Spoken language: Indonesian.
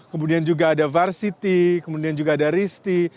kemudian juga ada varsity kemudian juga ada risti